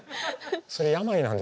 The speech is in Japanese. それは病なんですよ。